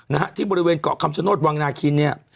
นะฮะที่บริเวณเกาะคำชโนธวังนาคินเนี่ย